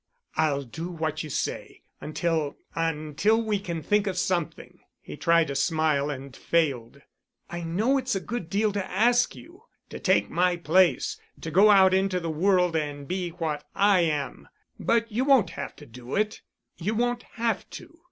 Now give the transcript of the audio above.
"I'll do what you say—until—until we can think of something." He tried a smile and failed. "I know it's a good deal to ask you—to take my place—to go out into the world and be what I am, but you won't have to do it. You won't have to.